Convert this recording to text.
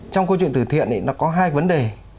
trong câu chuyện từ thiện thì nó có hai vấn đề